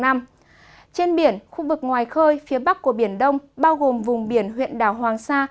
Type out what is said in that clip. trên biển khu vực ngoài khơi phía bắc của biển đông bao gồm vùng biển huyện đảo hoàng sa